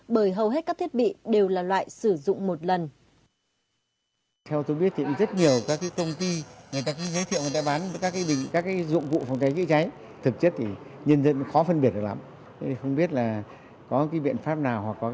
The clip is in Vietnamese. bởi hầu hết các thiết bị đều là loại sử dụng một lần